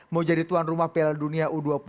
mau jadi tuan rumah piala dunia u dua puluh